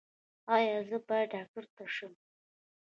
ایا زه باید ډاکټر شم؟